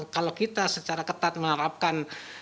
kalau kita secara ketat mengharapkan